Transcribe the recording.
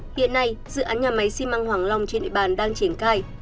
hiện nay dự án nhà máy xi măng hoàng long trên địa bàn đang triển khai